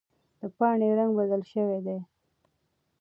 د پاڼې رنګ بدل شوی دی.